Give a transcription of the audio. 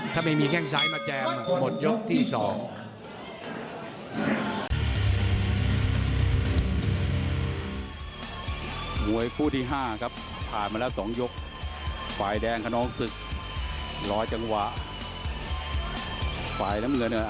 ถ้าไม่มีแค่งซ้ายมาแจม